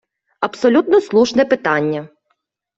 Абсолютно слушне питання.